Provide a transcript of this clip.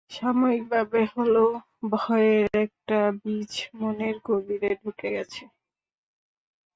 সাময়িকভাবে হলেও ভয়ের একটা বীজ মনের গভীরে ঢুকে গেছে।